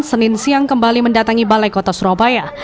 senin siang kembali mendatangi balai kota surabaya